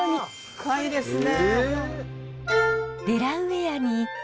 甘いですね。